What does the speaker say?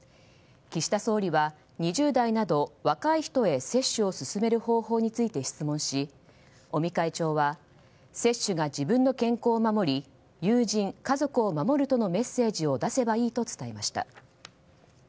岸田総理は２０代など若い人へ接種を進める方法について質問し尾身会長は接種が自分の健康を守り友人・家族を守るとのメッセージを出せばいいと伝えました。